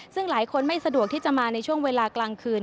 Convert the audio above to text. ซึ่งหลายคนไม่สะดวกที่จะมาในช่วงเวลากลางคืน